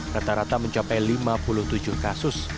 rata rata mencapai lima puluh tujuh kasus